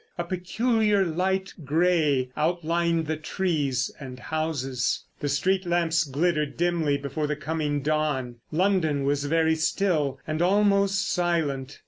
A peculiar light grey outlined the trees and houses. The street lamps glittered dimly before the coming dawn. London was very still, and almost silent.